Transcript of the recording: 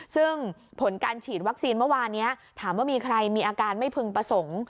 ซึ่งผลการฉีดวัคซีนเมื่อวานนี้ถามว่ามีใครมีอาการไม่พึงประสงค์